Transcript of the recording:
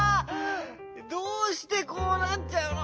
どうしてこうなっちゃうの？